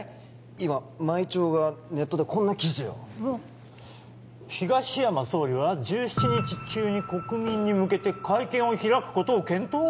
今毎朝がネットでこんな記事を東山総理は１７日中に国民に向けて会見を開くことを検討？